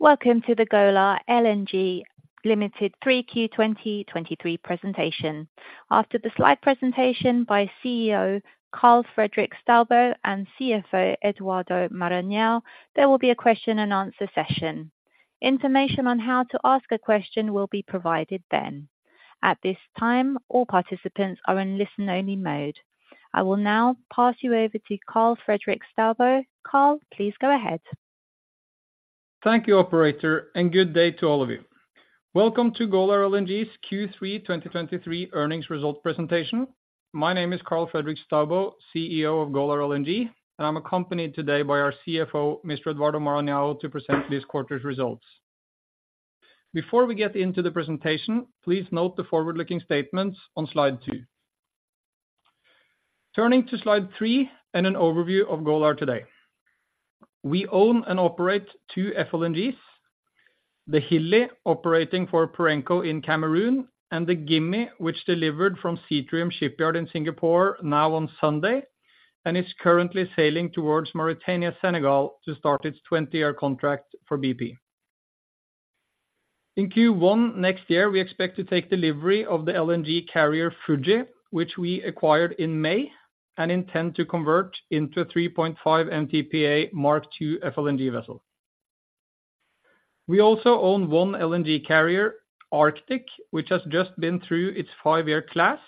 Welcome to the Golar LNG Limited Q3 2023 presentation. After the slide presentation by CEO Karl Fredrik Staubo and CFO Eduardo Maranhão, there will be a question and answer session. Information on how to ask a question will be provided then. At this time, all participants are in listen-only mode. I will now pass you over to Karl Fredrik Staubo. Karl, please go ahead. Thank you, operator, and good day to all of you. Welcome to Golar LNG's Q3 2023 earnings results presentation. My name is Karl Fredrik Staubo, CEO of Golar LNG, and I'm accompanied today by our CFO, Mr. Eduardo Maranhão, to present this quarter's results. Before we get into the presentation, please note the forward-looking statements on slide 2. Turning to slide 3 and an overview of Golar today. We own and operate 2 FLNGs, the Hilli, operating for Perenco in Cameroon, and the Gimi, which delivered from Seatrium Shipyard in Singapore now on Sunday, and is currently sailing towards Mauritania, Senegal to start its 20-year contract for BP. In Q1 next year, we expect to take delivery of the LNG carrier Fuji, which we acquired in May and intend to convert into a 3.5 MTPA Mark II FLNG vessel. We also own one LNG carrier, Arctic, which has just been through its five-year class.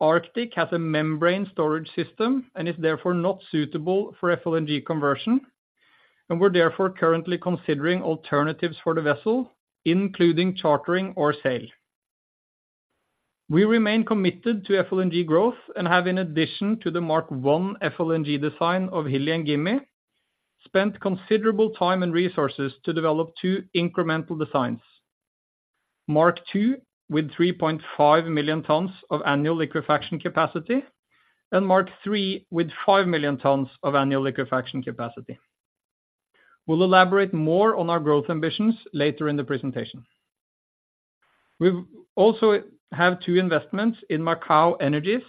Arctic has a membrane storage system and is therefore not suitable for FLNG conversion, and we're therefore currently considering alternatives for the vessel, including chartering or sale. We remain committed to FLNG growth and have, in addition to the Mark one FLNG design of Hilli and Gimi, spent considerable time and resources to develop two incremental designs: Mark two, with 3.5 million tons of annual liquefaction capacity, and Mark three, with 5 million tons of annual liquefaction capacity. We'll elaborate more on our growth ambitions later in the presentation. We also have two investments in Macaw Energies,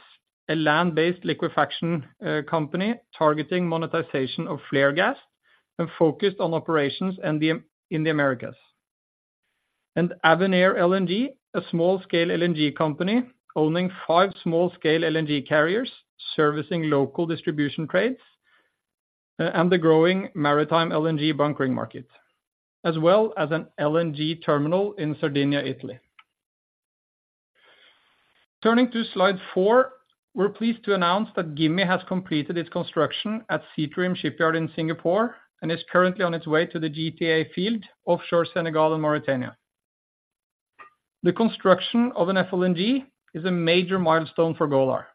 a land-based liquefaction company targeting monetization of flare gas and focused on operations in the Americas. Avenir LNG, a small-scale LNG company owning 5 small-scale LNG carriers, servicing local distribution trades, and the growing maritime LNG bunkering market, as well as an LNG terminal in Sardinia, Italy. Turning to slide 4, we're pleased to announce that Gimi has completed its construction at Seatrium Shipyard in Singapore and is currently on its way to the GTA field, offshore Senegal and Mauritania. The construction of an FLNG is a major milestone for Golar.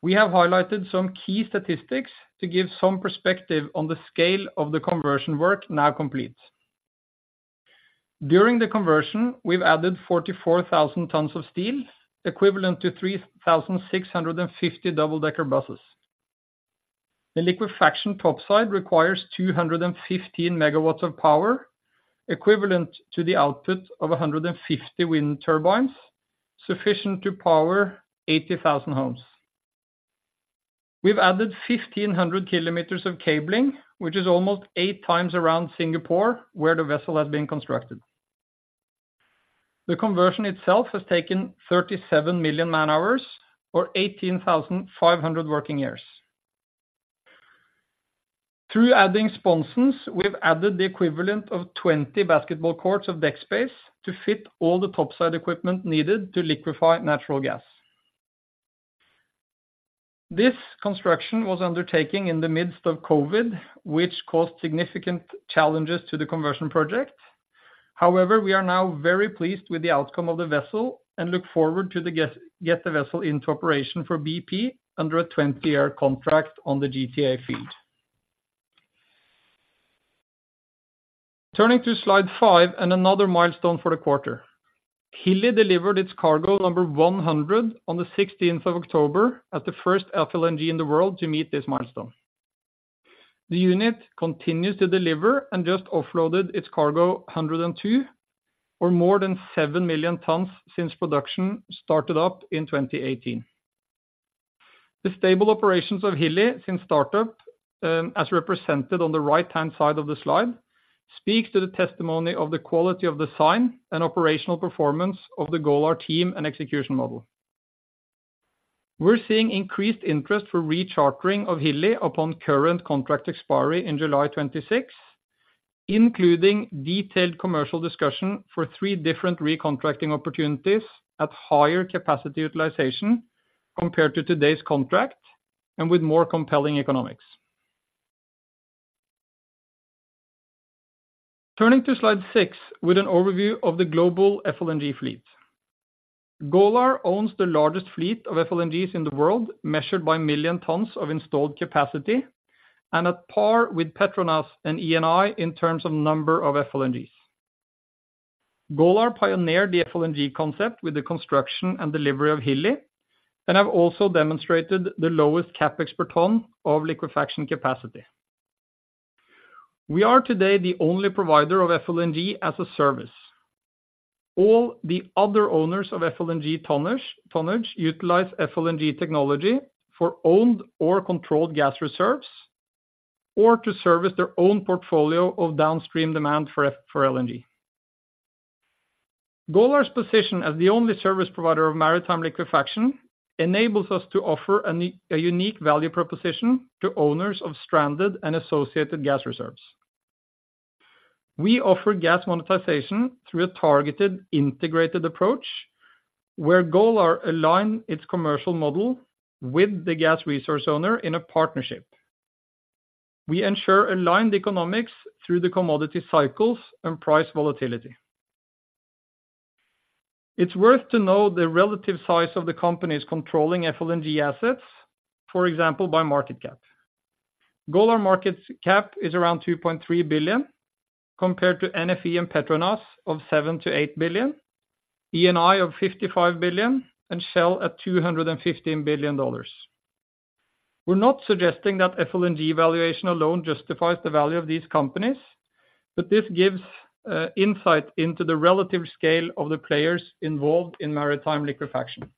We have highlighted some key statistics to give some perspective on the scale of the conversion work now complete. During the conversion, we've added 44,000 tons of steel, equivalent to 3,650 double-decker buses. The liquefaction topside requires 215 megawatts of power, equivalent to the output of 150 wind turbines, sufficient to power 80,000 homes. We've added 1,500 km of cabling, which is almost 8 times around Singapore, where the vessel has been constructed. The conversion itself has taken 37 million man-hours or 18,500 working years. Through adding sponsons, we've added the equivalent of 20 basketball courts of deck space to fit all the topside equipment needed to liquefy natural gas. This construction was undertaken in the midst of COVID, which caused significant challenges to the conversion project. However, we are now very pleased with the outcome of the vessel and look forward to get the vessel into operation for BP under a 20-year contract on the GTA field. Turning to slide 5 and another milestone for the quarter. Hilli delivered its cargo number 100 on the 16th of October as the first FLNG in the world to meet this milestone. The unit continues to deliver and just offloaded its cargo 102, or more than 7 million tons since production started up in 2018. The stable operations of Hilli since startup, as represented on the right-hand side of the slide, speaks to the testimony of the quality of design and operational performance of the Golar team and execution model. We're seeing increased interest for rechartering of Hilli upon current contract expiry in July 2026, including detailed commercial discussion for 3 different recontracting opportunities at higher capacity utilization compared to today's contract and with more compelling economics. Turning to slide 6, with an overview of the global FLNG fleet. Golar owns the largest fleet of FLNGs in the world, measured by million tons of installed capacity and at par with Petronas and Eni in terms of number of FLNGs. Golar pioneered the FLNG concept with the construction and delivery of Hilli, and have also demonstrated the lowest CapEx per ton of liquefaction capacity. We are today the only provider of FLNG as a service. All the other owners of FLNG tonnage utilize FLNG technology for owned or controlled gas reserves, or to service their own portfolio of downstream demand for LNG. Golar's position as the only service provider of maritime liquefaction enables us to offer a unique value proposition to owners of stranded and associated gas reserves. We offer gas monetization through a targeted, integrated approach, where Golar align its commercial model with the gas resource owner in a partnership. We ensure aligned economics through the commodity cycles and price volatility. It's worth to know the relative size of the companies controlling FLNG assets, for example, by market cap. Golar's market cap is around $2.3 billion, compared to NFE and Petronas of $7 billion-$8 billion, Eni of $55 billion, and Shell at $215 billion. We're not suggesting that FLNG valuation alone justifies the value of these companies, but this gives insight into the relative scale of the players involved in maritime liquefaction.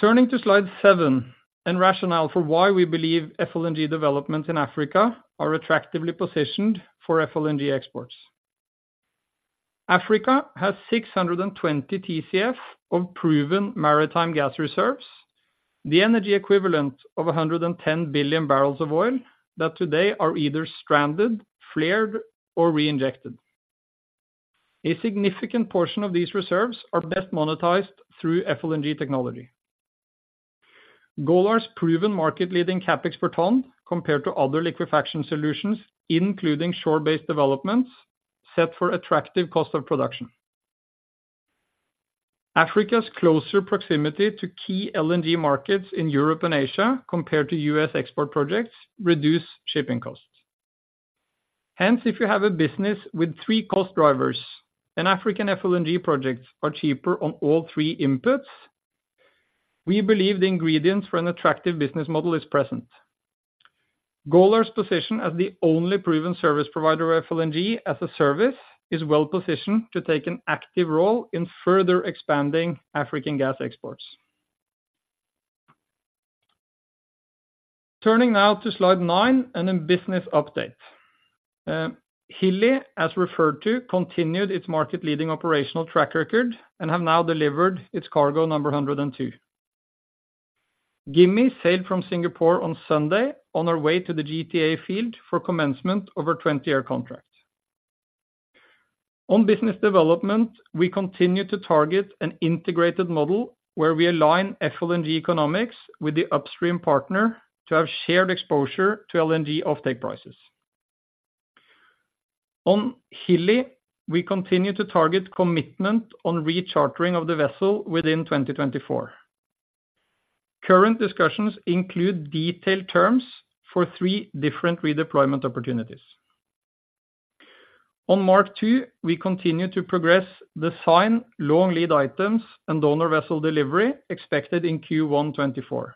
Turning to slide 7, and rationale for why we believe FLNG developments in Africa are attractively positioned for FLNG exports. Africa has 620 TCF of proven maritime gas reserves, the energy equivalent of 110 billion barrels of oil, that today are either stranded, flared, or reinjected. A significant portion of these reserves are best monetized through FLNG technology. Golar's proven market-leading CapEx per ton, compared to other liquefaction solutions, including shore-based developments, set for attractive cost of production. Africa's closer proximity to key LNG markets in Europe and Asia, compared to U.S. export projects, reduce shipping costs. Hence, if you have a business with three cost drivers, and African FLNG projects are cheaper on all three inputs, we believe the ingredients for an attractive business model is present. Golar's position as the only proven service provider of FLNG as a service, is well-positioned to take an active role in further expanding African gas exports. Turning now to slide 9, and in business update. Hilli, as referred to, continued its market-leading operational track record and have now delivered its cargo number 102. Gimi sailed from Singapore on Sunday on our way to the GTA field for commencement of our 20-year contract. On business development, we continue to target an integrated model, where we align FLNG economics with the upstream partner, to have shared exposure to LNG offtake prices. On Hilli, we continue to target commitment on rechartering of the vessel within 2024. Current discussions include detailed terms for three different redeployment opportunities. On Mark II, we continue to progress design, long lead items, and donor vessel delivery expected in Q1 2024.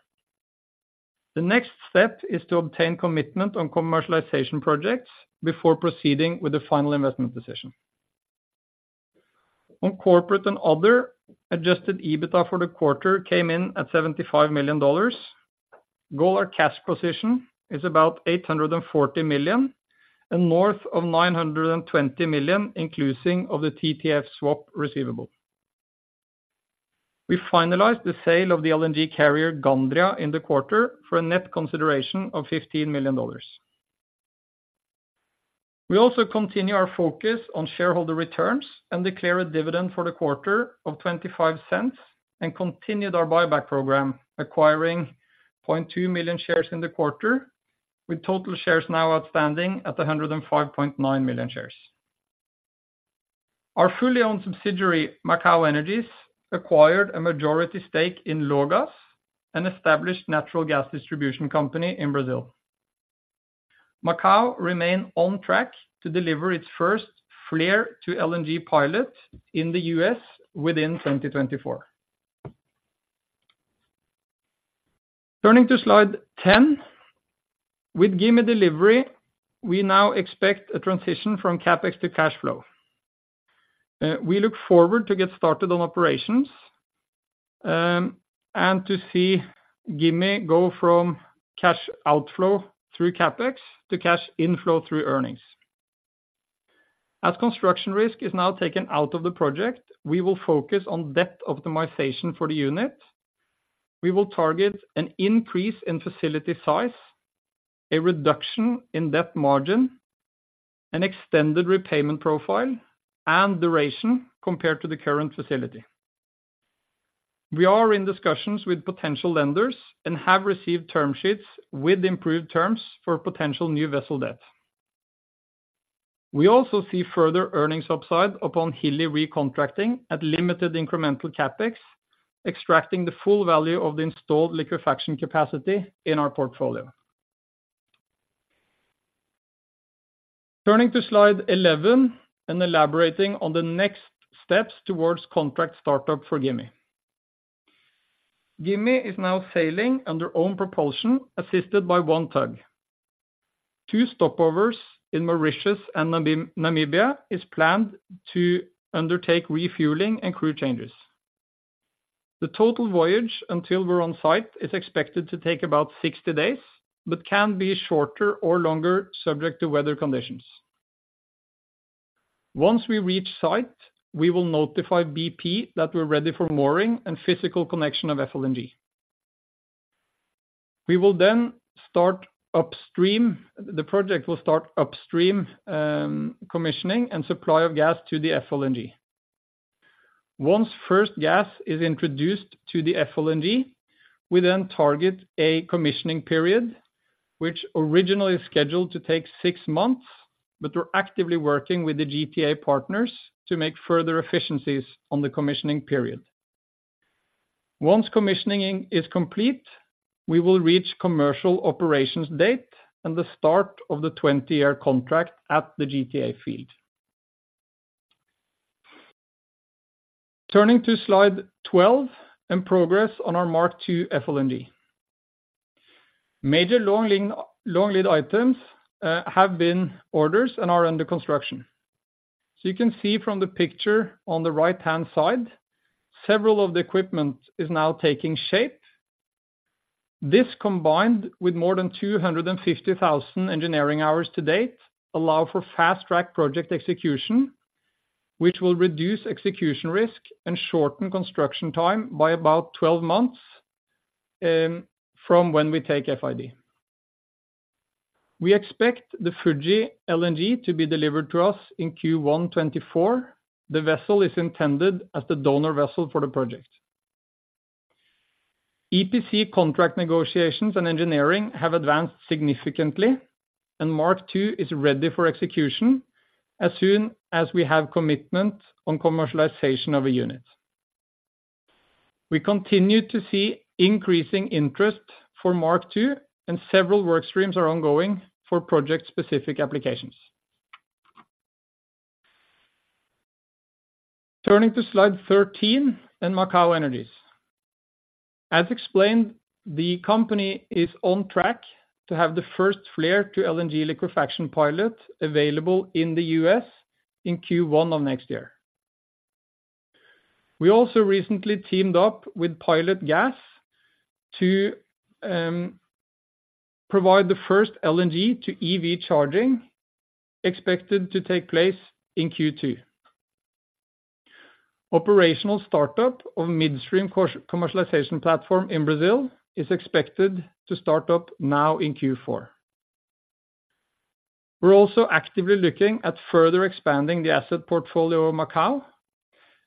The next step is to obtain commitment on commercialization projects before proceeding with the final investment decision. On corporate and other adjusted EBITDA for the quarter came in at $75 million. Golar cash position is about $840 million, and north of $920 million, including of the TTF swap receivable. We finalized the sale of the LNG carrier Gandria in the quarter for a net consideration of $15 million. We also continue our focus on shareholder returns and declare a dividend for the quarter of $0.25, and continued our buyback program, acquiring 0.2 million shares in the quarter, with total shares now outstanding at 105.9 million shares. Our fully owned subsidiary, Macaw Energies, acquired a majority stake in Logas, an established natural gas distribution company in Brazil. Macaw remains on track to deliver its first flare-to-LNG pilot in the US within 2024. Turning to slide 10. With Gimi delivery, we now expect a transition from CapEx to cash flow. We look forward to get started on operations, and to see Gimi go from cash outflow through CapEx to cash inflow through earnings. As construction risk is now taken out of the project, we will focus on debt optimization for the unit. We will target an increase in facility size, a reduction in debt margin, an extended repayment profile, and duration compared to the current facility. We are in discussions with potential lenders and have received term sheets with improved terms for potential new vessel debt. We also see further earnings upside upon Hilli recontracting at limited incremental CapEx, extracting the full value of the installed liquefaction capacity in our portfolio. Turning to slide 11, and elaborating on the next steps towards contract startup for Gimi. Gimi is now sailing under own propulsion, assisted by one tug. Two stopovers in Mauritius and Namibia is planned to undertake refueling and crew changes. The total voyage until we're on site is expected to take about 60 days, but can be shorter or longer, subject to weather conditions. Once we reach site, we will notify BP that we're ready for mooring and physical connection of FLNG. We will then start upstream- the project will start upstream, commissioning and supply of gas to the FLNG. Once first gas is introduced to the FLNG, we then target a commissioning period, which originally is scheduled to take six months, but we're actively working with the GTA partners to make further efficiencies on the commissioning period. Once commissioning is complete, we will reach commercial operations date and the start of the 20-year contract at the GTA field. Turning to Slide 12, and progress on our Mark II FLNG. Major long lead items have been ordered and are under construction. So you can see from the picture on the right-hand side, several of the equipment is now taking shape. This, combined with more than 250,000 engineering hours to date, allow for fast-track project execution, which will reduce execution risk and shorten construction time by about 12 months from when we take FID. We expect the Fuji LNG to be delivered to us in Q1 2024. The vessel is intended as the donor vessel for the project. EPC contract negotiations and engineering have advanced significantly, and Mark II is ready for execution as soon as we have commitment on commercialization of a unit. We continue to see increasing interest for Mark II, and several work streams are ongoing for project-specific applications. Turning to Slide 13, and Macaw Energies. As explained, the company is on track to have the first flare to LNG liquefaction pilot available in the US in Q1 of next year. We also recently teamed up with Pilot Gas to provide the first LNG to EV charging, expected to take place in Q2. Operational startup of midstream core commercialization platform in Brazil is expected to start up now in Q4. We're also actively looking at further expanding the asset portfolio of Macaw,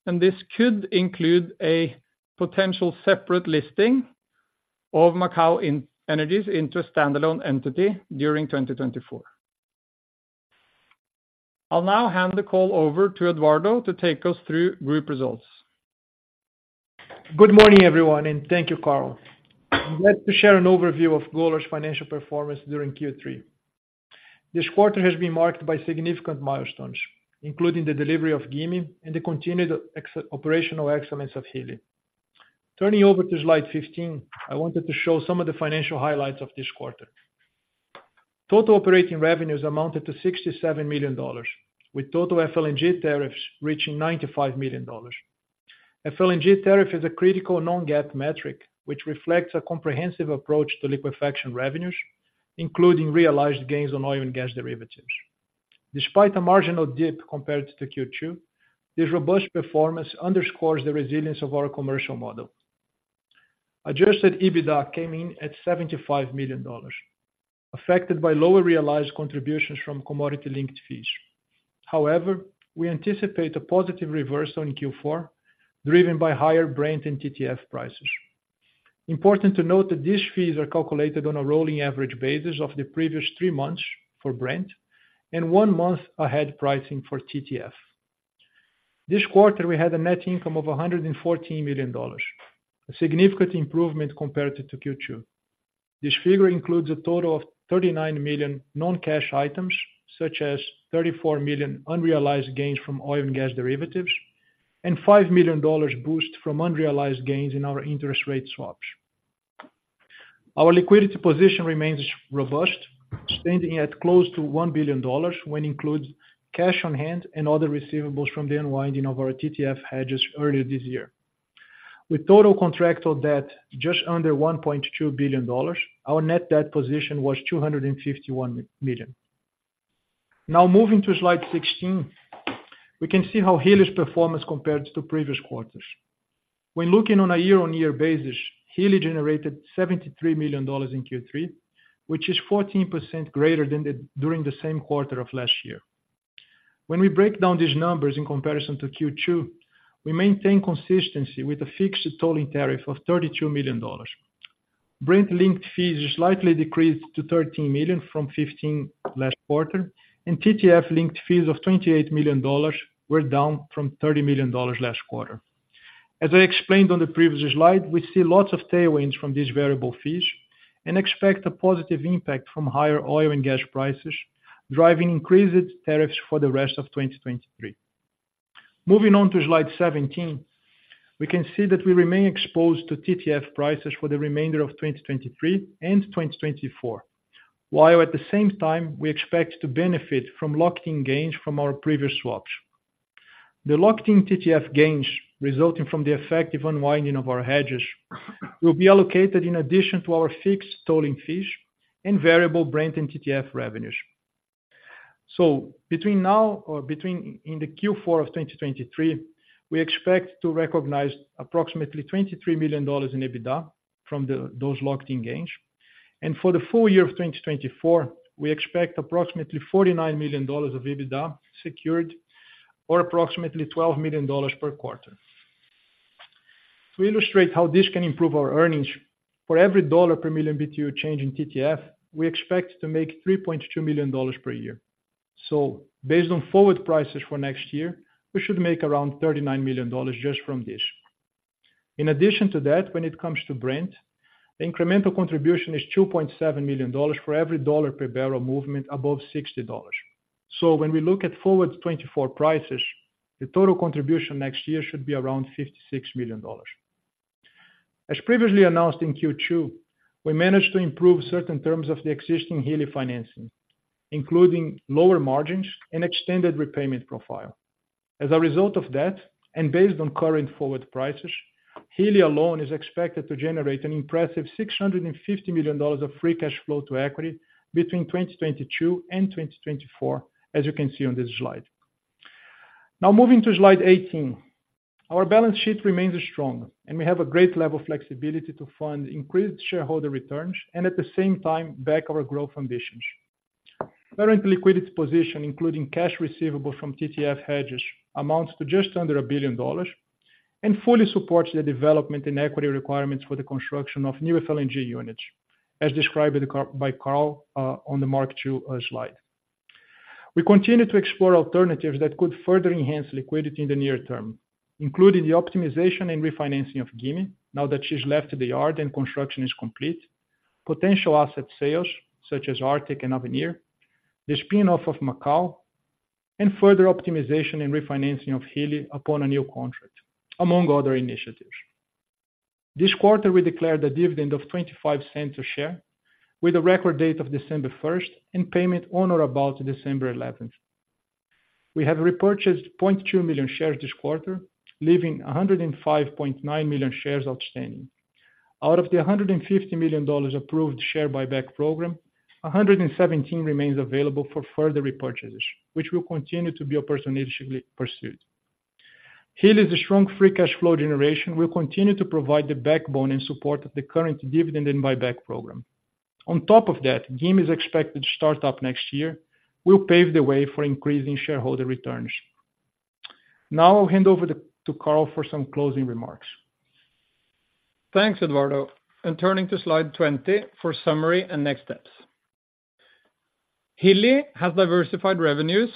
and this could include a potential separate listing of Macaw Energies into a standalone entity during 2024. I'll now hand the call over to Eduardo to take us through group results. Good morning, everyone, and thank you, Karl. I'm glad to share an overview of Golar's financial performance during Q3. This quarter has been marked by significant milestones, including the delivery of Gimi and the continued operational excellence of Hilli. Turning over to Slide 15, I wanted to show some of the financial highlights of this quarter. Total operating revenues amounted to $67 million, with total FLNG tariffs reaching $95 million. FLNG tariff is a critical non-GAAP metric, which reflects a comprehensive approach to liquefaction revenues, including realized gains on oil and gas derivatives. Despite a marginal dip compared to Q2, this robust performance underscores the resilience of our commercial model. Adjusted EBITDA came in at $75 million, affected by lower realized contributions from commodity-linked fees. However, we anticipate a positive reversal in Q4, driven by higher Brent and TTF prices. Important to note that these fees are calculated on a rolling average basis of the previous three months for Brent, and one month ahead pricing for TTF. This quarter, we had a net income of $114 million, a significant improvement compared to Q2. This figure includes a total of $39 million non-cash items, such as $34 million unrealized gains from oil and gas derivatives, and $5 million boost from unrealized gains in our interest rate swaps. Our liquidity position remains robust, standing at close to $1 billion, which includes cash on hand and other receivables from the unwinding of our TTF hedges earlier this year. With total contractual debt just under $1.2 billion, our net debt position was $251 million. Now, moving to Slide 16, we can see how Hilli's performance compares to previous quarters. When looking on a year-on-year basis, Hilli generated $73 million in Q3, which is 14% greater than during the same quarter of last year. When we break down these numbers in comparison to Q2, we maintain consistency with a fixed tolling tariff of $32 million. Brent-linked fees slightly decreased to $13 million from $15 million last quarter, and TTF-linked fees of $28 million were down from $30 million last quarter. As I explained on the previous slide, we see lots of tailwinds from these variable fees and expect a positive impact from higher oil and gas prices, driving increased tariffs for the rest of 2023. Moving on to slide 17, we can see that we remain exposed to TTF prices for the remainder of 2023 and 2024. While at the same time, we expect to benefit from locked-in gains from our previous swaps. The locked-in TTF gains, resulting from the effective unwinding of our hedges, will be allocated in addition to our fixed tolling fees and variable Brent and TTF revenues. So in the Q4 of 2023, we expect to recognize approximately $23 million in EBITDA from those locked-in gains. And for the full year of 2024, we expect approximately $49 million of EBITDA secured, or approximately $12 million per quarter. To illustrate how this can improve our earnings, for every $1 per million BTU change in TTF, we expect to make $3.2 million per year. So based on forward prices for next year, we should make around $39 million just from this. In addition to that, when it comes to Brent, the incremental contribution is $2.7 million for every dollar per barrel movement above $60. So when we look at forward 2024 prices, the total contribution next year should be around $56 million. As previously announced in Q2, we managed to improve certain terms of the existing Hilli financing, including lower margins and extended repayment profile. As a result of that, and based on current forward prices, Hilli alone is expected to generate an impressive $650 million of free cash flow to equity between 2022 and 2024, as you can see on this slide. Now moving to slide 18. Our balance sheet remains strong, and we have a great level of flexibility to fund increased shareholder returns and at the same time, back our growth ambitions. Current liquidity position, including cash receivable from TTF hedges, amounts to just under $1 billion and fully supports the development and equity requirements for the construction of new FLNG units, as described by Karl on the Mark II slide. We continue to explore alternatives that could further enhance liquidity in the near term, including the optimization and refinancing of Gimi, now that she's left the yard and construction is complete. Potential asset sales, such as Arctic and Avenir, the spin-off of Macaw, and further optimization and refinancing of Hilli upon a new contract, among other initiatives. This quarter, we declared a dividend of $0.25 a share, with a record date of December first and payment on or about December eleventh. We have repurchased 0.2 million shares this quarter, leaving 105.9 million shares outstanding. Out of the $150 million approved share buyback program, $117 million remains available for further repurchase, which will continue to be opportunistically pursued. Hilli's strong free cash flow generation will continue to provide the backbone in support of the current dividend and buyback program. On top of that, Gimi's expected start up next year will pave the way for increasing shareholder returns. Now I'll hand over to Karl for some closing remarks. Thanks, Eduardo. Turning to slide 20 for summary and next steps. Hilli has diversified revenues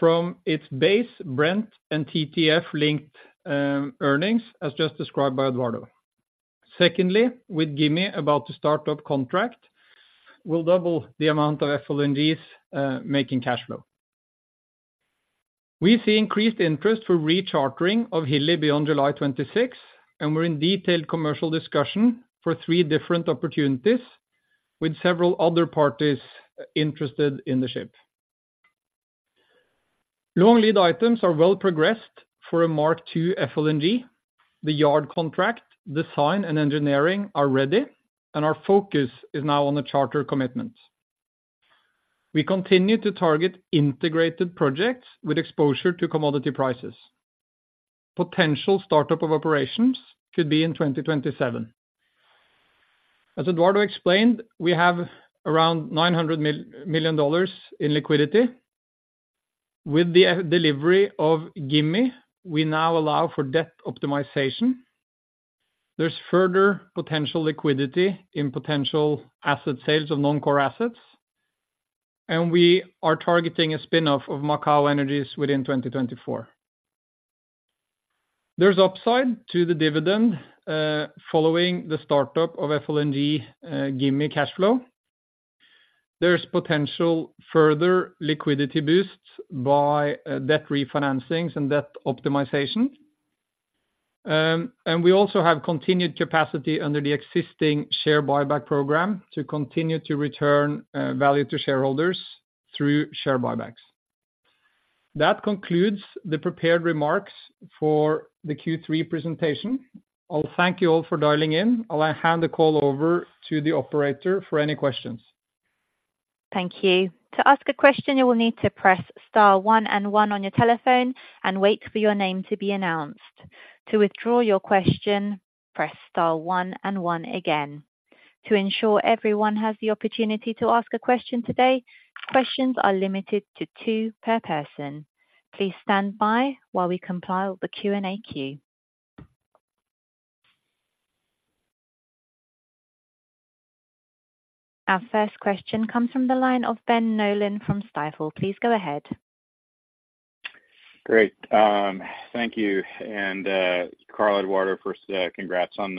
from its base, Brent and TTF-linked earnings, as just described by Eduardo. Secondly, with Gimi about to start up contract, we'll double the amount of FLNGs making cash flow. We see increased interest for rechartering of Hilli beyond July 2026, and we're in detailed commercial discussion for three different opportunities, with several other parties interested in the ship. Long lead items are well progressed for a Mark II FLNG. The yard contract, design and engineering are ready, and our focus is now on the charter commitment. We continue to target integrated projects with exposure to commodity prices. Potential startup of operations could be in 2027. As Eduardo explained, we have around $900 million in liquidity. With the delivery of Gimi, we now allow for debt optimization. There's further potential liquidity in potential asset sales of non-core assets, and we are targeting a spin-off of Macaw Energies within 2024. There's upside to the dividend following the start up of FLNG Gimi cash flow. There's potential further liquidity boosts by debt refinancings and debt optimization. And we also have continued capacity under the existing share buyback program to continue to return value to shareholders through share buybacks. That concludes the prepared remarks for the Q3 presentation. I'll thank you all for dialing in. I'll hand the call over to the operator for any questions. Thank you. To ask a question, you will need to press star one and one on your telephone and wait for your name to be announced. To withdraw your question, press star one and one again. To ensure everyone has the opportunity to ask a question today, questions are limited to two per person. Please stand by while we compile the Q&A queue. Our first question comes from the line of Ben Nolan from Stifel. Please go ahead. Great. Thank you, and, Karl, Eduardo, first, congrats on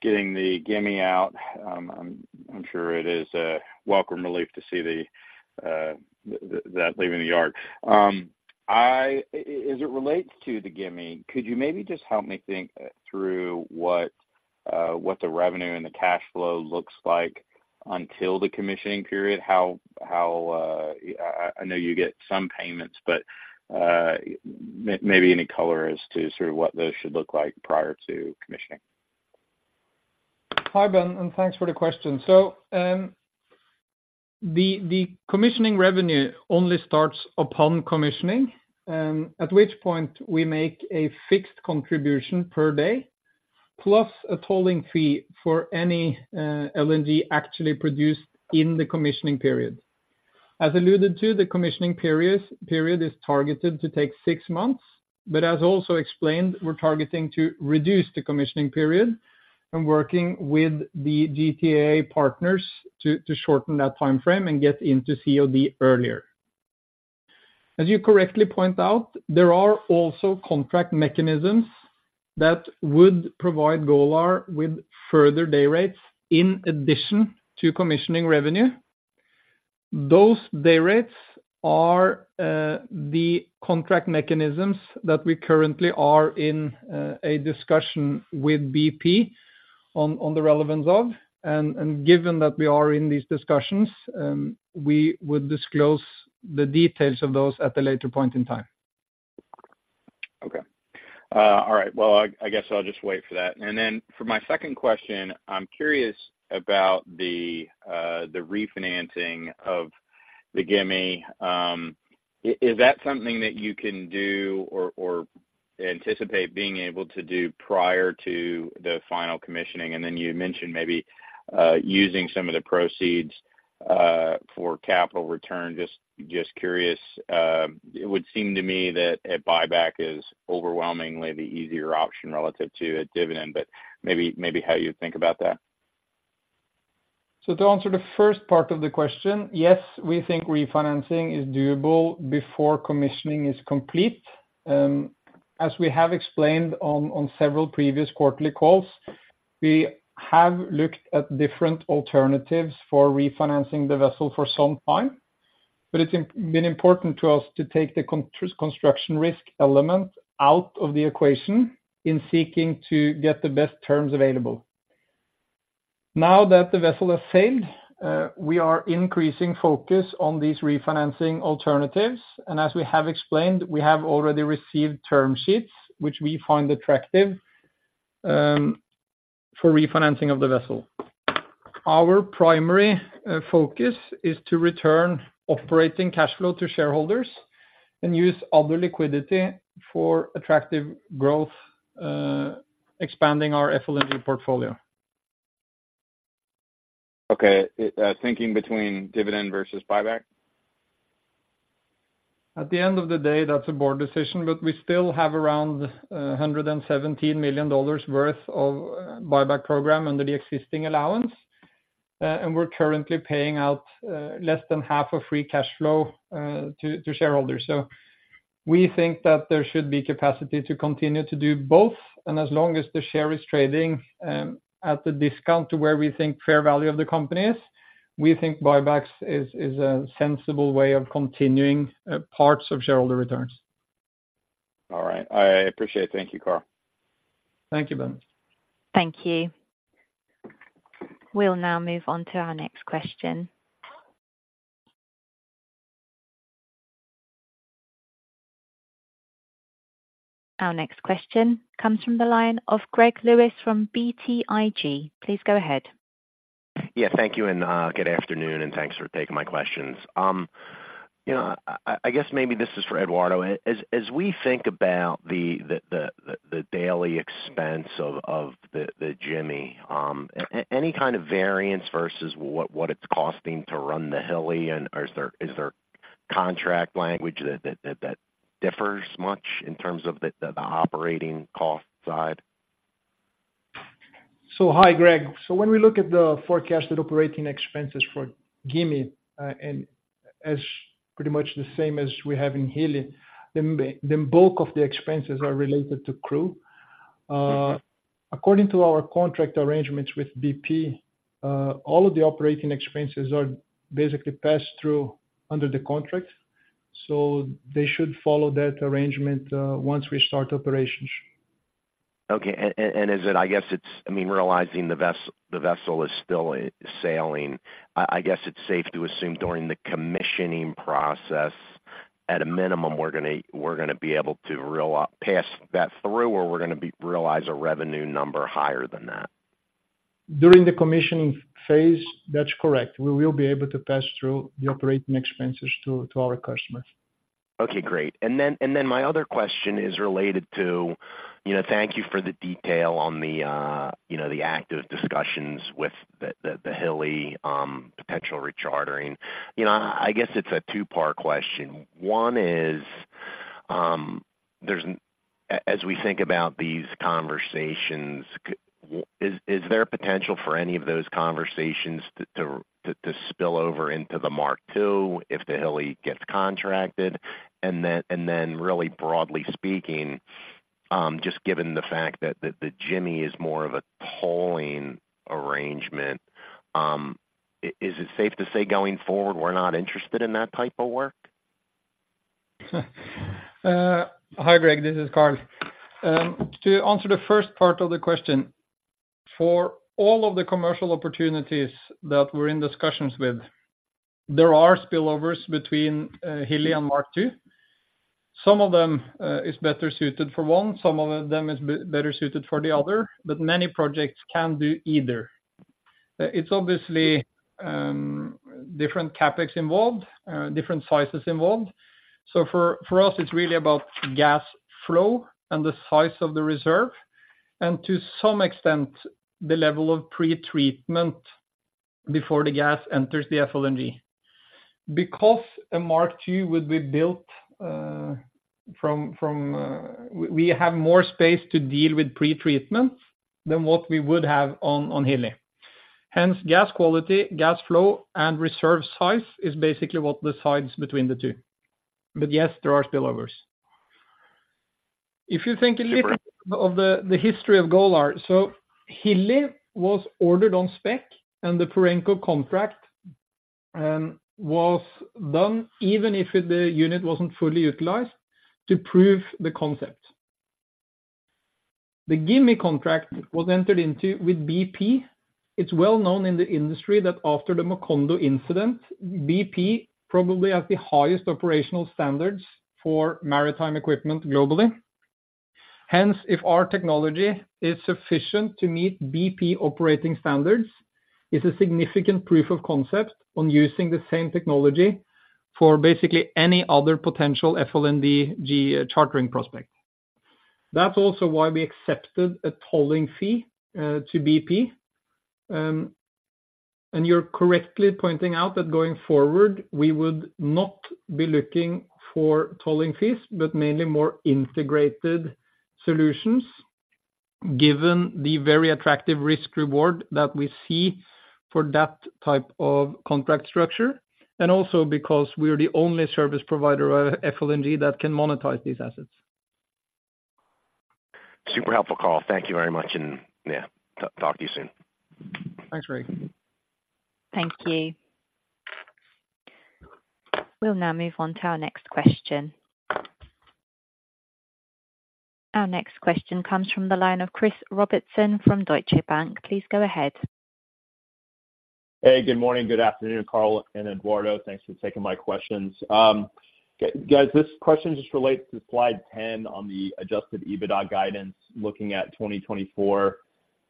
getting the Gimi out. I'm sure it is a welcome relief to see that leaving the yard. As it relates to the Gimi, could you maybe just help me think through what the revenue and the cash flow looks like until the commissioning period? How, I know you get some payments, but, maybe any color as to sort of what those should look like prior to commissioning. Hi, Ben, and thanks for the question. So, the commissioning revenue only starts upon commissioning, at which point we make a fixed contribution per day, plus a tolling fee for any LNG actually produced in the commissioning period. As alluded to, the commissioning period is targeted to take six months, but as also explained, we're targeting to reduce the commissioning period and working with the GTA partners to shorten that timeframe and get into COD earlier. As you correctly point out, there are also contract mechanisms that would provide Golar with further day rates in addition to commissioning revenue. Those day rates are the contract mechanisms that we currently are in a discussion with BP on the relevance of, and given that we are in these discussions, we would disclose the details of those at a later point in time. Okay. All right, well, I guess I'll just wait for that. Then for my second question, I'm curious about the refinancing of the Gimi. Is that something that you can do or anticipate being able to do prior to the final commissioning? And then you mentioned maybe using some of the proceeds for capital return. Just curious. It would seem to me that a buyback is overwhelmingly the easier option relative to a dividend, but maybe how you think about that. So to answer the first part of the question, yes, we think refinancing is doable before commissioning is complete. As we have explained on several previous quarterly calls, we have looked at different alternatives for refinancing the vessel for some time, but it's been important to us to take the construction risk element out of the equation in seeking to get the best terms available. Now that the vessel has sailed, we are increasing focus on these refinancing alternatives, and as we have explained, we have already received term sheets, which we find attractive, for refinancing of the vessel. Our primary focus is to return operating cash flow to shareholders and use other liquidity for attractive growth, expanding our FLNG portfolio. Okay. Thinking between dividend versus buyback? At the end of the day, that's a board decision, but we still have around $117 million worth of buyback program under the existing allowance. And we're currently paying out less than half of free cash flow to, to shareholders. So we think that there should be capacity to continue to do both, and as long as the share is trading at a discount to where we think fair value of the company is, we think buybacks is, is a sensible way of continuing parts of shareholder returns. All right. I appreciate it. Thank you, Karl. Thank you, Ben. Thank you. We'll now move on to our next question. Our next question comes from the line of Greg Lewis from BTIG. Please go ahead. Yeah, thank you, and good afternoon, and thanks for taking my questions. You know, I guess maybe this is for Eduardo. As we think about the daily expense of the Gimi, any kind of variance versus what it's costing to run the Hilli, and is there contract language that differs much in terms of the operating cost side? So hi, Greg. So when we look at the forecasted operating expenses for Gimi, and as pretty much the same as we have in Hilli, the bulk of the expenses are related to crew. According to our contract arrangements with BP, all of the operating expenses are basically passed through under the contract, so they should follow that arrangement, once we start operations. Okay, and is it I guess it's. I mean, realizing the vessel is still sailing, I guess it's safe to assume during the commissioning process, at a minimum, we're going to be able to pass that through, or we're going to realize a revenue number higher than that? During the commissioning phase, that's correct. We will be able to pass through the operating expenses to our customers. Okay, great. And then my other question is related to, you know, thank you for the detail on the, you know, the active discussions with the Hilli potential rechartering. You know, I guess it's a two-part question. One is, as we think about these conversations, is there potential for any of those conversations to spill over into the Mark II if the Hilli gets contracted? And then really broadly speaking, just given the fact that the Gimi is more of a tolling arrangement, is it safe to say, going forward, we're not interested in that type of work? Hi, Greg, this is Karl. To answer the first part of the question, for all of the commercial opportunities that we're in discussions with, there are spillovers between Hilli and Mark II. Some of them is better suited for one, some of them is better suited for the other, but many projects can do either. It's obviously different CapEx involved, different sizes involved. So for us, it's really about gas flow and the size of the reserve, and to some extent, the level of pre-treatment before the gas enters the FLNG. Because a Mark II would be built. We have more space to deal with pre-treatment than what we would have on Hilli. Hence, gas quality, gas flow, and reserve size is basically what decides between the two, but yes, there are spillovers. If you think a little of the history of Golar, so Hilli was ordered on spec, and the Perenco contract was done even if the unit wasn't fully utilized to prove the concept. The Gimi contract was entered into with BP. It's well known in the industry that after the Macondo incident, BP probably has the highest operational standards for maritime equipment globally. Hence, if our technology is sufficient to meet BP operating standards, it's a significant proof of concept on using the same technology for basically any other potential FLNG chartering prospect. That's also why we accepted a tolling fee to BP. And you're correctly pointing out that going forward, we would not be looking for tolling fees, but mainly more integrated solutions, given the very attractive risk reward that we see for that type of contract structure, and also because we are the only service provider of FLNG that can monetize these assets. Super helpful, Karl. Thank you very much, and, yeah, talk to you soon. Thanks, Greg. Thank you. We'll now move on to our next question. Our next question comes from the line of Chris Robertson from Deutsche Bank. Please go ahead. Hey, good morning, good afternoon, Karl and Eduardo. Thanks for taking my questions. Guys, this question just relates to slide 10 on the adjusted EBITDA guidance, looking at 2024.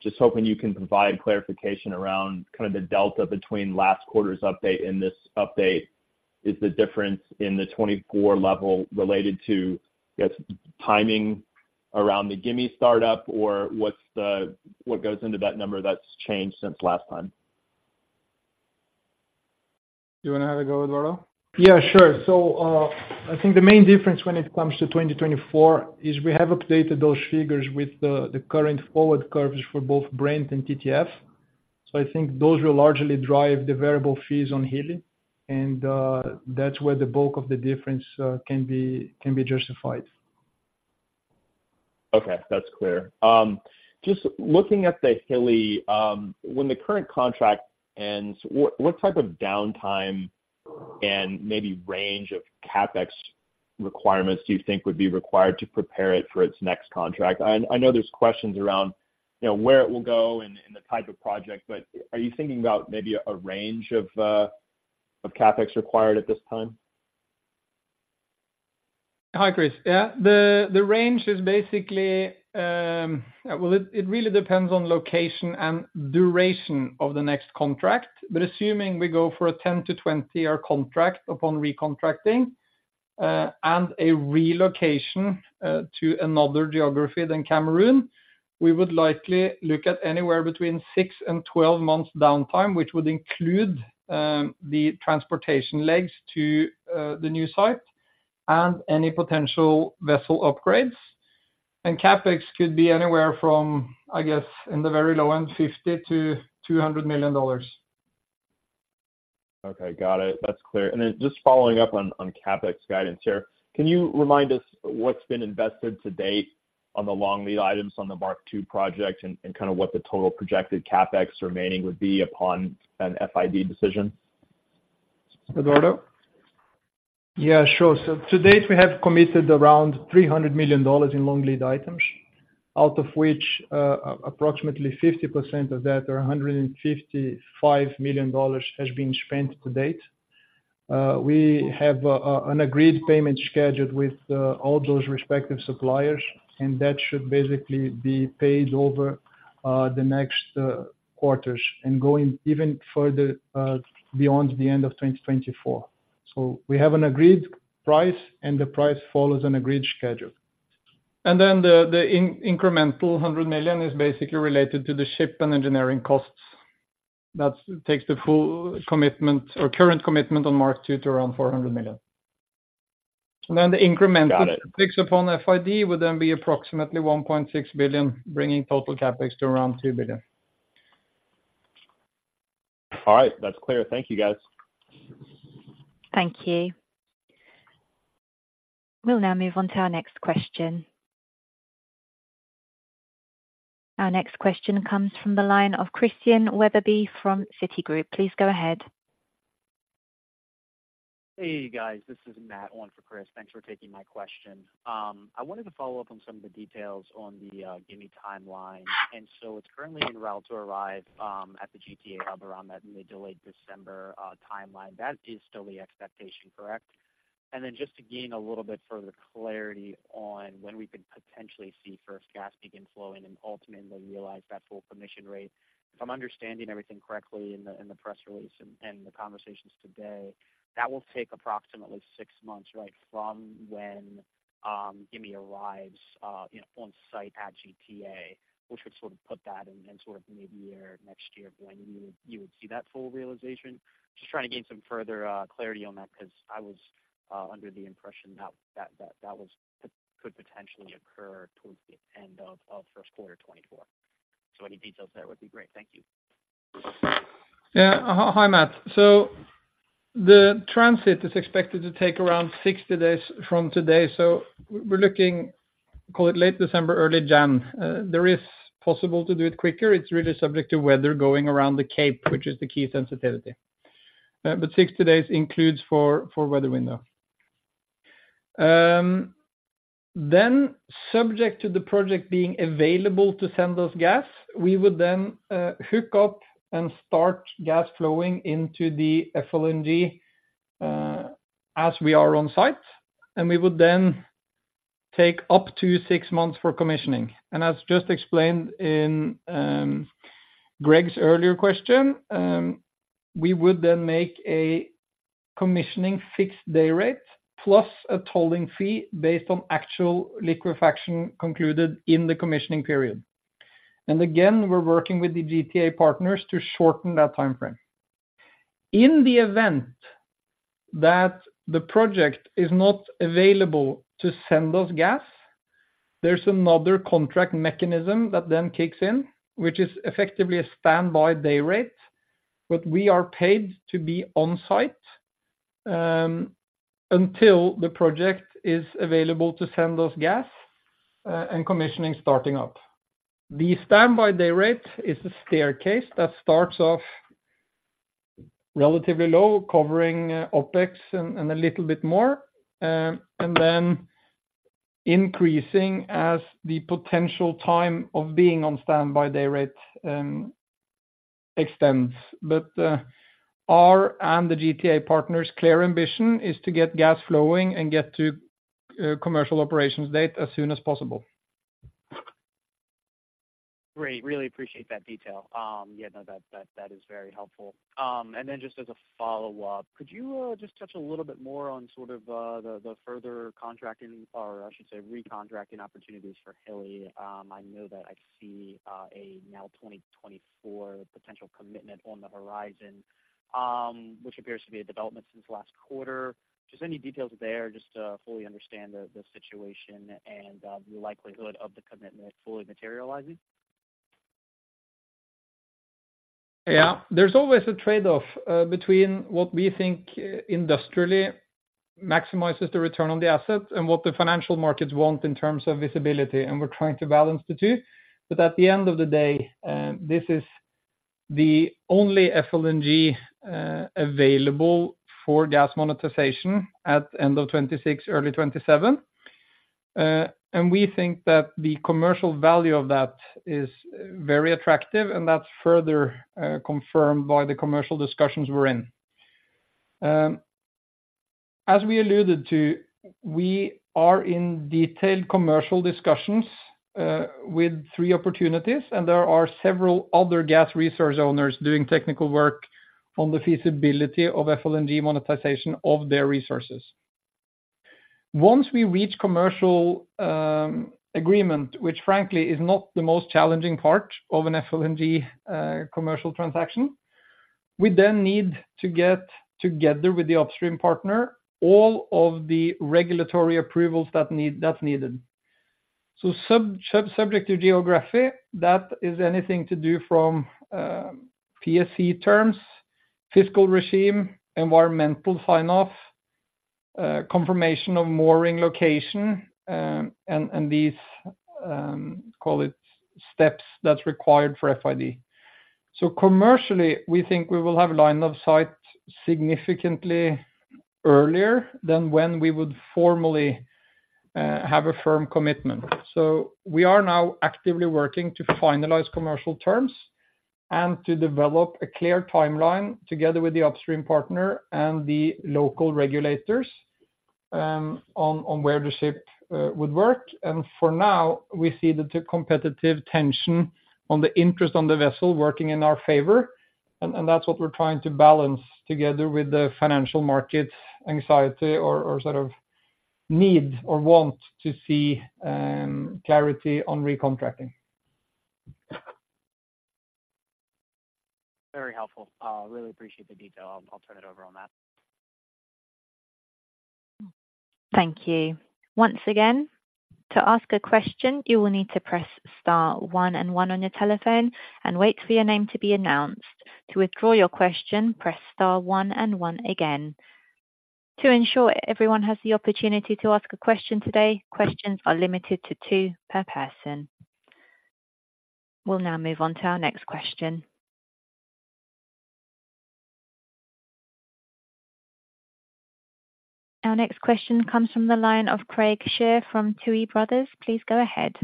Just hoping you can provide clarification around kind of the delta between last quarter's update and this update. Is the difference in the 2024 level related to, I guess, timing around the Gimi startup, or what's the what goes into that number that's changed since last time? You want to have a go, Eduardo? Yeah, sure. So, I think the main difference when it comes to 2024 is we have updated those figures with the current forward curves for both Brent and TTF. So I think those will largely drive the variable fees on Hilli, and that's where the bulk of the difference can be justified. Okay, that's clear. Just looking at the Hilli, when the current contract ends, what, what type of downtime and maybe range of CapEx requirements do you think would be required to prepare it for its next contract? I, I know there's questions around, you know, where it will go and, and the type of project, but are you thinking about maybe a range of, of CapEx required at this time? Hi, Chris. Yeah. The range is basically. Well, it really depends on location and duration of the next contract. But assuming we go for a 10-20-year contract upon recontracting, and a relocation to another geography than Cameroon, we would likely look at anywhere between 6-12 months downtime, which would include the transportation legs to the new site and any potential vessel upgrades. And CapEx could be anywhere from, I guess, in the very low end, $50-$200 million. Okay, got it. That's clear. And then just following up on CapEx guidance here, can you remind us what's been invested to date on the long lead items on the Mark II project and kind of what the total projected CapEx remaining would be upon an FID decision? Eduardo? Yeah, sure. So to date, we have committed around $300 million in long lead items, out of which approximately 50% of that or $155 million has been spent to date. We have an agreed payment schedule with all those respective suppliers, and that should basically be paid over the next quarters and going even further beyond the end of 2024. So we have an agreed price, and the price follows an agreed schedule. And then the incremental $100 million is basically related to the ship and engineering costs. That takes the full commitment or current commitment on Mark II to around $400 million. And then the incremental- Got it. Upon FID would then be approximately $1.6 billion, bringing total CapEx to around $2 billion. All right, that's clear. Thank you, guys. Thank you. We'll now move on to our next question. Our next question comes from the line of Christian Weatherbee from Citigroup. Please go ahead. Hey, guys, this is Matt, one for Chris. Thanks for taking my question. I wanted to follow up on some of the details on the Gimi timeline. And so it's currently en route to arrive at the GTA hub around that mid to late December timeline. That is still the expectation, correct? And then just to gain a little bit further clarity on when we could potentially see first gas begin flowing and ultimately realize that full commission rate. If I'm understanding everything correctly in the press release and the conversations today, that will take approximately six months, right? From when Gimi arrives, you know, on site at GTA, which would sort of put that in sort of midyear next year when you would see that full realization. Just trying to gain some further clarity on that, because I was under the impression that could potentially occur towards the end of Q1 2024. So any details there would be great. Thank you. Yeah. Hi, Matt. So the transit is expected to take around 60 days from today. So we're looking, call it late December, early January. There is possible to do it quicker. It's really subject to weather going around the Cape, which is the key sensitivity. But 60 days includes for weather window. Then subject to the project being available to send us gas, we would then hook up and start gas flowing into the FLNG as we are on site, and we would then take up to 6 months for commissioning. And as just explained in Greg's earlier question, we would then make a commissioning fixed day rate plus a tolling fee based on actual liquefaction concluded in the commissioning period. And again, we're working with the GTA partners to shorten that time frame. In the event that the project is not available to send us gas, there's another contract mechanism that then kicks in, which is effectively a standby day rate, but we are paid to be on site until the project is available to send us gas and commissioning starting up. The standby day rate is a staircase that starts off relatively low, covering OpEx and a little bit more, and then increasing as the potential time of being on standby day rate extends. But our and the GTA partners clear ambition is to get gas flowing and get to commercial operations date as soon as possible. Great, really appreciate that detail. Yeah, no, that, that, that is very helpful. And then just as a follow-up, could you just touch a little bit more on sort of the further contracting or I should say, recontracting opportunities for Hilli? I know that I see a now 2024 potential commitment on the horizon, which appears to be a development since last quarter. Just any details there, just to fully understand the situation and the likelihood of the commitment fully materializing. Yeah. There's always a trade-off between what we think industrially maximizes the return on the asset and what the financial markets want in terms of visibility, and we're trying to balance the two. But at the end of the day, this is the only FLNG available for gas monetization at end of 2026, early 2027. And we think that the commercial value of that is very attractive, and that's further confirmed by the commercial discussions we're in. As we alluded to, we are in detailed commercial discussions with three opportunities, and there are several other gas resource owners doing technical work on the feasibility of FLNG monetization of their resources. Once we reach commercial agreement, which frankly is not the most challenging part of an FLNG commercial transaction, we then need to get together with the upstream partner, all of the regulatory approvals that need, that's needed. So subject to geography, that is anything to do from PSC terms, fiscal regime, environmental sign-off, confirmation of mooring location, and these, call it steps that's required for FID. So commercially, we think we will have line of sight significantly earlier than when we would formally have a firm commitment. So we are now actively working to finalize commercial terms and to develop a clear timeline together with the upstream partner and the local regulators on where the ship would work. For now, we see the competitive tension on the interest on the vessel working in our favor, and that's what we're trying to balance together with the financial markets' anxiety or sort of need or want to see clarity on recontracting. Very helpful. Really appreciate the detail. I'll turn it over on that. Thank you. Once again, to ask a question, you will need to press star one and one on your telephone and wait for your name to be announced. To withdraw your question, press star one and one again. To ensure everyone has the opportunity to ask a question today, questions are limited to two per person. We'll now move on to our next question. Our next question comes from the line of Craig Sher from Tuohy Brothers. Please go ahead.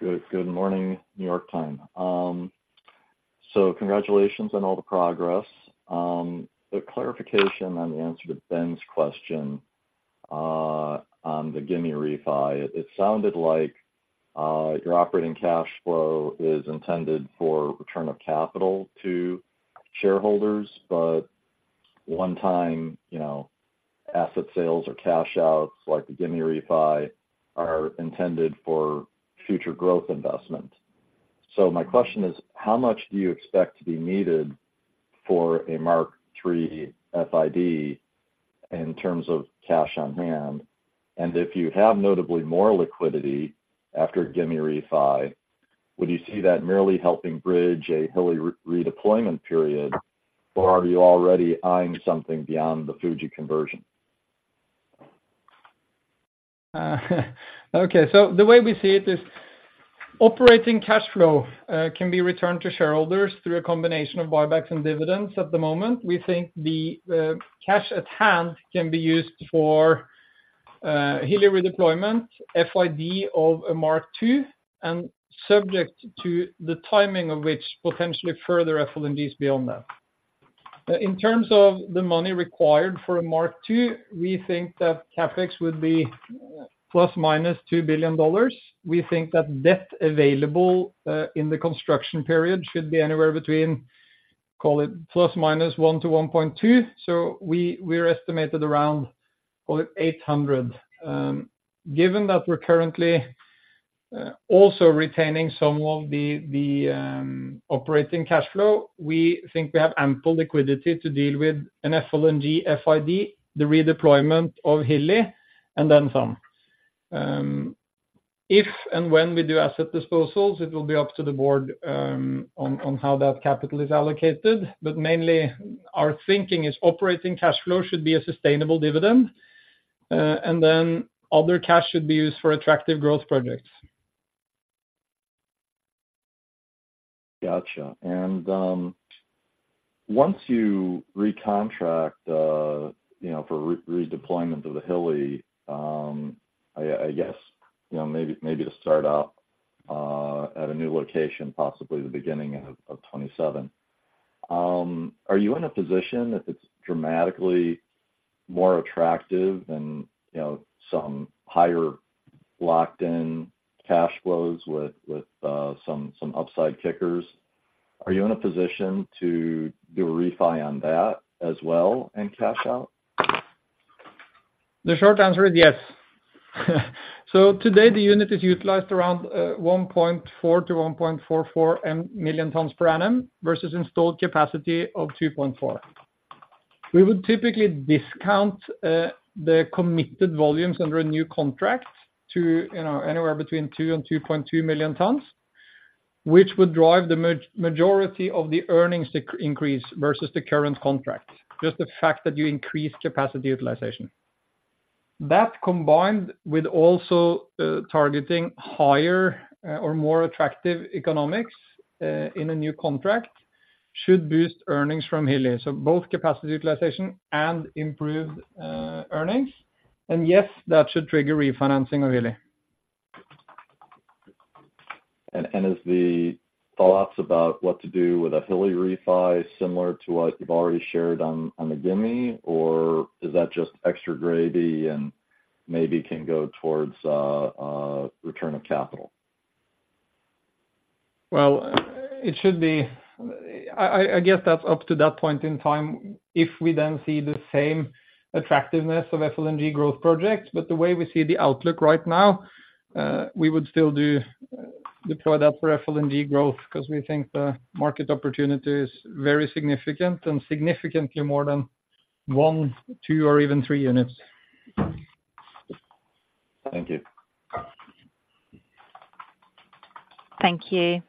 Good morning, New York time. So congratulations on all the progress. A clarification on the answer to Ben's question, on the Gimi refi. It sounded like, your operating cash flow is intended for return of capital to shareholders, but one time, you know, asset sales or cash outs, like the Gimi refi, are intended for future growth investment. So my question is: how much do you expect to be needed for a Mark Three FID in terms of cash on hand? And if you have notably more liquidity after Gimi refi, would you see that merely helping bridge a Hilli redeployment period, or are you already eyeing something beyond the Fuji conversion? Okay. So the way we see it is operating cash flow can be returned to shareholders through a combination of buybacks and dividends. At the moment, we think the cash at hand can be used for Hilli redeployment, FID of a Mark Two, and subject to the timing of which potentially further FLNGs beyond that. In terms of the money required for a Mark Two, we think that CapEx would be ±$2 billion. We think that debt available in the construction period should be anywhere between, call it ±1-1.2. So we, we're estimated around, call it $800 million. Given that we're currently also retaining some of the operating cash flow, we think we have ample liquidity to deal with an FLNG FID, the redeployment of Hilli, and then some. If and when we do asset disposals, it will be up to the board on how that capital is allocated. But mainly, our thinking is operating cash flow should be a sustainable dividend, and then other cash should be used for attractive growth projects. Gotcha. And once you recontract, you know, for redeployment of the Hilli, I guess, you know, maybe to start up at a new location, possibly the beginning of 2027. Are you in a position, if it's dramatically more attractive than, you know, some higher locked-in cash flows with some upside kickers? Are you in a position to do a refi on that as well and cash out? The short answer is yes. So today, the unit is utilized around 1.4-1.44 million tons per annum versus installed capacity of 2.4. We would typically discount the committed volumes under a new contract to, you know, anywhere between 2 and 2.2 million tons, which would drive the majority of the earnings increase versus the current contract. Just the fact that you increase capacity utilization. That, combined with also targeting higher or more attractive economics in a new contract, should boost earnings from Hilli. So both capacity utilization and improved earnings. And yes, that should trigger refinancing of Hilli. As the follow-ups about what to do with a Hilli refi similar to what you've already shared on the Gimi, or is that just extra gravy and maybe can go towards a return of capital? Well, it should be. I guess that's up to that point in time, if we then see the same attractiveness of FLNG growth project. But the way we see the outlook right now, we would still do deploy that for FLNG growth because we think the market opportunity is very significant and significantly more than one, two, or even three units. Thank you. Thank you.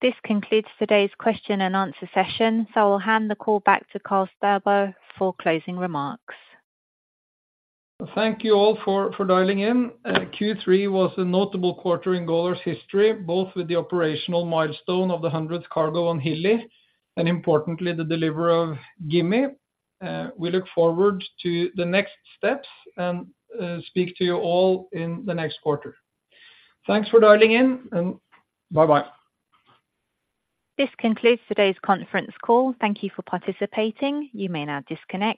This concludes today's question and answer session, so I'll hand the call back to Karl Staubo for closing remarks. Thank you all for, for dialing in. Q3 was a notable quarter in Golar's history, both with the operational milestone of the 100th cargo on Hilli, and importantly, the delivery of Gimi. We look forward to the next steps and, speak to you all in the next quarter. Thanks for dialing in, and bye-bye. This concludes today's conference call. Thank you for participating. You may now disconnect.